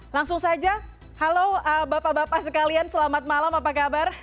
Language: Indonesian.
langsung saja halo bapak bapak sekalian selamat malam apa kabar